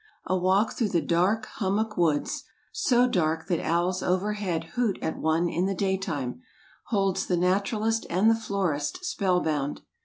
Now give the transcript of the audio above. A walk through the dark hummuck woods—so dark that owls overhead hoot at one in the daytime—holds the naturalist and the florist spell bound.